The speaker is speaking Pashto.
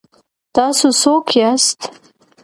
تاسو څوک یاست؟